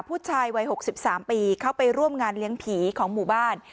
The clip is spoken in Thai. ผู้ชายวัย๖๓ปีเข้าไปร่วมงานเลี้ยงผีของหมู่บ้าน